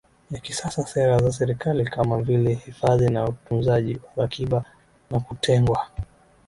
ya kisasa Sera za serikali kama vile hifadhi na utunzaji wa akiba na kutengwa